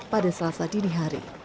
pada selasa dini hari